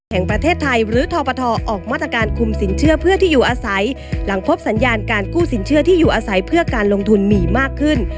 อันดับสินเชื่อที่อยู่อาศัยหลังพบสัญญาณการกู้สินเชื่อที่อยู่อาศัยเพื่อการลงทุนมีมากขึ้น